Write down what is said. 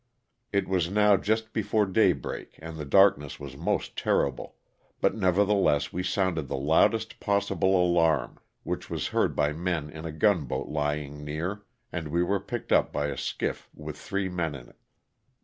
It was now just before daybreak and the darkness was most terrible, but nevertheless we sounded the loudest possible alarm, which was heard by men in a gunboat lying near, and we were picked up by a skiff with three men in it.